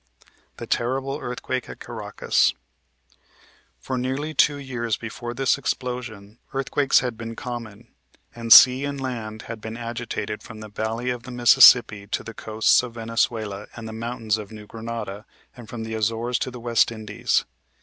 THE TERRIBLE EARTHQUAKE AT CARACAS For nearly two years before this explosion earthquakes had been common, and sea and land had been agitated from the valley of the Mississippi to the coasts of Venezuela and the mountains of New Grenada, and from the Azores to the West Indies.